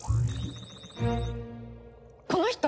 この人！